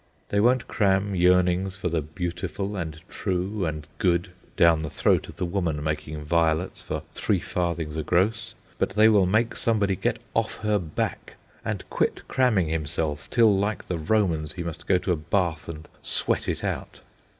They won't cram yearnings for the Beautiful, and True, and Good down the throat of the woman making violets for three farthings a gross, but they will make somebody get off her back and quit cramming himself till, like the Romans, he must go to a bath and sweat it out.